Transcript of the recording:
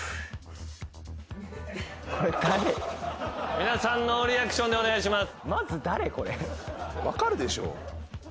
皆さんノーリアクションでお願いします。